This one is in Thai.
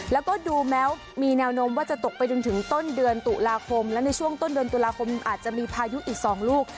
แล้วก็ดูแม้มีแนวโน้มว่าจะตกไปจนถึงต้นเดือนตุลาคมและในช่วงต้นเดือนตุลาคมอาจจะมีพายุอีก๒ลูก